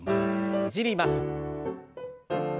ねじります。